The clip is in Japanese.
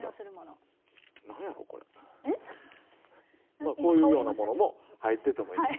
まあこういうようなものも入っててもいいんです。